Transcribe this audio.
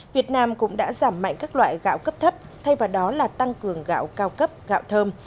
việt nam cũng đã giảm mạnh các loại gạo cấp thấp thay vào đó là tăng cường gạo cao cấp gạo thơm